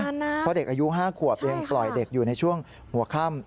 เพราะเด็กอายุ๕ขวบยังปล่อยเด็กอยู่ในช่วงหัวค่ำ